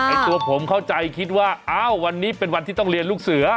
ตัวผมเข้าใจคิดว่าอ้าววันนี้เป็นวันที่ต้องเรียนลูกเสือ